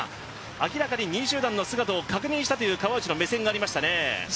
明らかに２位集団の姿を確認したという川内の目線がありましたね。